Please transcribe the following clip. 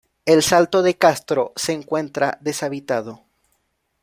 El Salto de Castro se encuentra deshabitado.